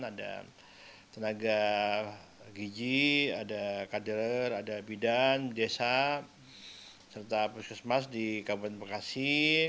ada tenaga gizi ada kader ada bidan desa serta puskesmas di kabupaten bekasi